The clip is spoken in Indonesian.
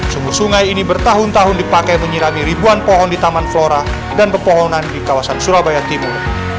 suhu sungai ini bertahun tahun dipakai menyirami ribuan pohon di taman flora dan pepohonan di kawasan surabaya timur